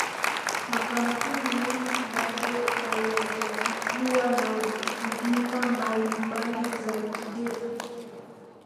makampuni mengi bado hayajafikiwa na huduma mbalimbali za kifedha